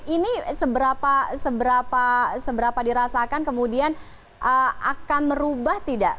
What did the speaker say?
ini seberapa dirasakan kemudian akan merubah tidak